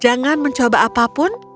jangan mencoba apapun